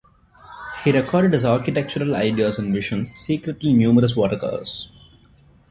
He recorded his architectural ideas and visions secretly in numerous watercolors.